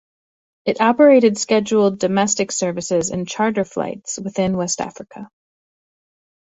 It operated scheduled domestic services and charter flights within West Africa.